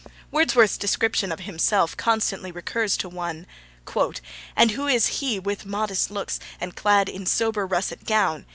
Wordsworth's description of himself constantly recurs to one: And who is he with modest looks, And clad in sober russet gown?